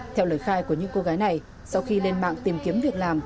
theo lời khai của những cô gái này sau khi lên mạng tìm kiếm việc làm